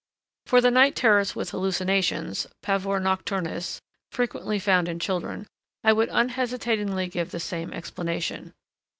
For the night terrors with hallucinations (pavor nocturnus) frequently found in children, I would unhesitatingly give the same explanation.